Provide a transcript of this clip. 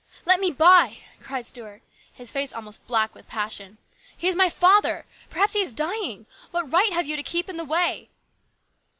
" Let me by !" cried Stuart, his face almost black with passion. " He is my father ! Perhaps he is dying ! What right have you to keep in the way